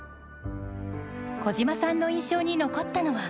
小島さんの印象に残ったのは。